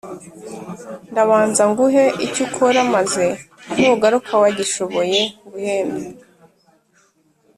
ndabanza nguhe icyo ukora maze nugaruka wagishoboye nguhembe